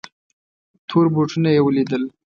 تور بوټونه یې ولیدل.